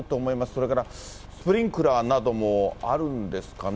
それからスプリンクラーなどもあるんですかね。